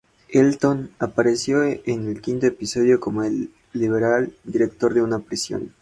Elton apareció en el quinto episodio como el liberal director de una prisión.